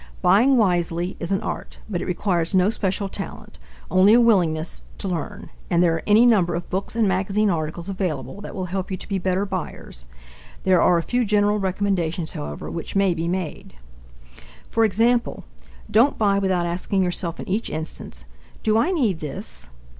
Buying wisely is an art, but it requires no special talent only a willingness to learn and there are any number of books and magazine articles available that will help you to be better buyers. There are a few general recommendations, however, which may be made. For example, don't buy without asking yourself in each instance: "Do I need this?"